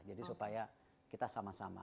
jadi supaya kita sama sama